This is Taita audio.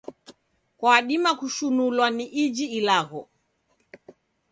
Kwadima kushinulwa ni iji ilagho.